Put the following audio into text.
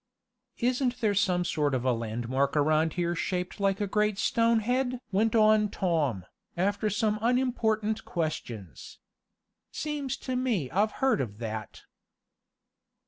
"Isn't there some sort of a landmark around here shaped like a great stone head?" went on Tom, after some unimportant questions. "Seems to me I've heard of that."